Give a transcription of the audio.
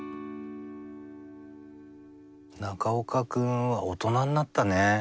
中岡くんは大人になったね。